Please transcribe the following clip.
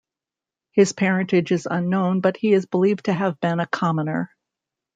His parentage is unknown but he is believed to have been a commoner.